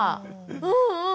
うんうん。